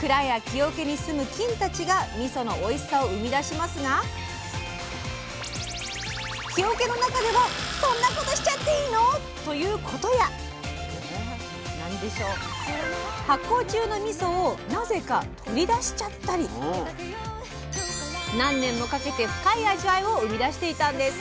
蔵や木おけに住む菌たちがみそのおいしさを生み出しますが木おけの中ではそんなことしちゃっていいの？ということや発酵中のみそをなぜか取り出しちゃったり⁉何年もかけて深い味わいを生み出していたんです。